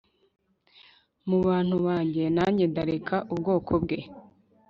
mu bantu banjye nanjye ndareka ubwoko bwe